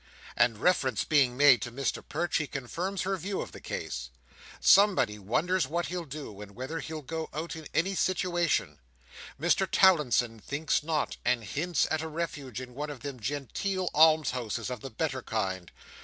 And reference being made to Mr Perch, he confirms her view of the case. Somebody wonders what he'll do, and whether he'll go out in any situation. Mr Towlinson thinks not, and hints at a refuge in one of them genteel almshouses of the better kind.